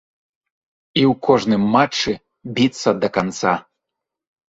І ў кожным матчы біцца да канца.